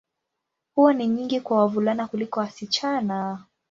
Huwa ni nyingi kwa wavulana kuliko wasichana.